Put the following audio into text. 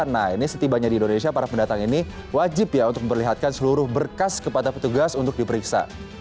nah ini setibanya di indonesia para pendatang ini wajib ya untuk memperlihatkan seluruh berkas kepada petugas untuk diperiksa